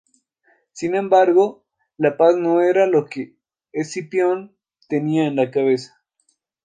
Sin embargo, la paz no era lo que Escipión tenía en la cabeza.